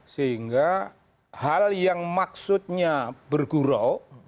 sehingga hal yang maksudnya bergurau